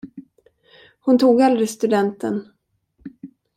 Hon tog aldrig studenten.